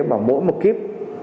mỗi một kiếp